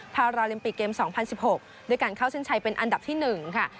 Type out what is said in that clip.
ภาราเลมปิกเกมส์สองพันสิบหกด้วยการเข้าเซ็นไชยเป็นอันดับที่หนึ่งค่ะ